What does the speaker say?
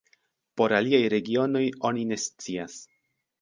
Por aliaj regionoj oni ne scias.